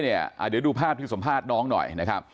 เดี๋ยวดูภาพลิกสัมภาษณ์น้องหน่อย